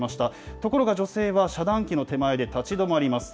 ところが、女性は遮断機の手前で立ち止まります。